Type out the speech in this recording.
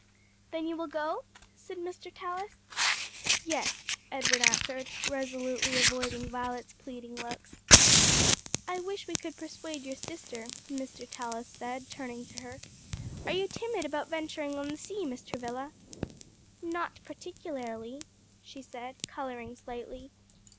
"Then you will go?" said Mr. Tallis. "Yes," Edward answered, resolutely avoiding Violet's pleading looks. "I wish we could persuade your sister," Mr. Tallis said, turning to her. "Are you timid about venturing on the sea, Miss Travilla?" "Not particularly," she said, coloring slightly.